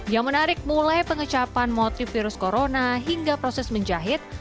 yang menarik mulai pengecapan motif virus corona hingga proses menjahit